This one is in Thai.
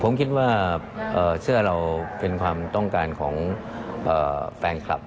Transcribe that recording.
ผมคิดว่าเสื้อเราเป็นความต้องการของแฟนคลับ